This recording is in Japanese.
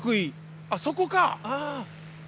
あそこか。